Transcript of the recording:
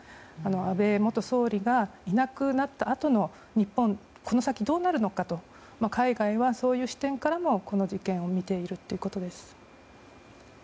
安倍元総理がいなくなったあとの日本がこの先どうなるのかと海外は、そういう視点からもこの事件を見ているということです。